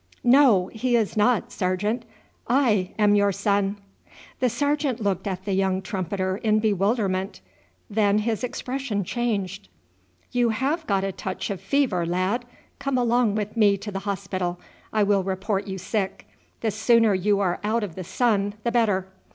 "No, he is not, sergeant; I am your son!" The sergeant looked at the young trumpeter in bewilderment, then his expression changed. "You have got a touch of fever, lad. Come along with me to the hospital; I will report you sick. The sooner you are out of the sun the better."